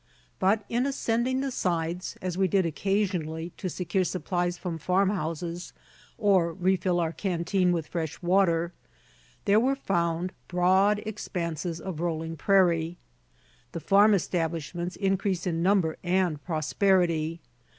But in ascending the sides, as we did occasionally, to secure supplies from farm houses or refill our canteen with fresh water, there were found broad expanses of rolling prairie. The farm establishments increase in number and prosperity.